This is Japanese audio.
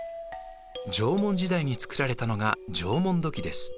縄文時代に作られたのが縄文土器です。